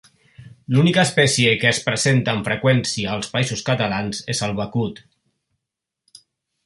L'única espècie que es presenta amb freqüència als Països Catalans és el becut.